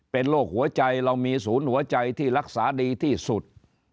เป็นโรคหัวใจเรามีศูนย์หัวใจที่รักษาดีที่สุด